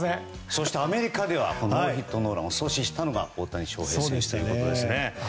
そしてアメリカではノーヒットノーランを阻止したのが大谷翔平選手ということですね。